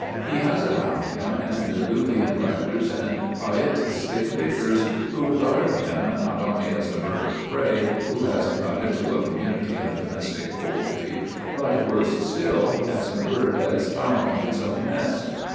He has around him antediluvian rectors and pietistic vicars, who regard him not only as a bird of prey who has got into a community of domestic poultry, but, worse still, as a bird that is fouling its own nest.